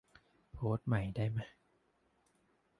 โพสต์ใหม่ได้มะ